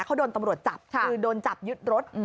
เขาโดนตำรวจจับคือโดนจับยึดรถ